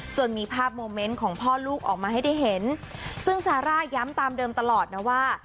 มีภาพโมเมนต์ของพ่อลูกออกมาให้ได้เห็นซึ่งซาร่าย้ำตามเดิมตลอดนะว่า